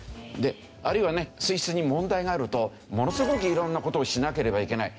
あるいはね水質に問題があるとものすごく色んな事をしなければいけない。